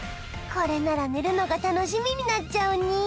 これなら寝るのが楽しみになっちゃうね